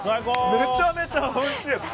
めちゃめちゃおいしい！